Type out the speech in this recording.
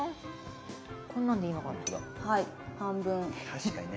確かにね